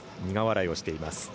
苦笑いをしています